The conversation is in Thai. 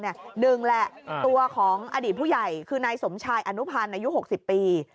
หนึ่งแหละตัวของอดีตผู้ใหญ่คือนายสมชายอนุพันธ์อายุ๖๐ปี